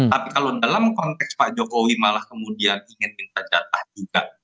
tapi kalau dalam konteks pak jokowi malah kemudian ingin minta jatah juga